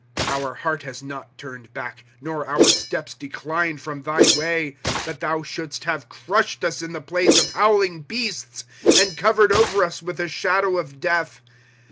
'^ Our heart has not turned back, Nor our steps declined from thy way ;^* That thou shouldst have crushed us in the place of howhng beasts, And covered over us with the shadow of death.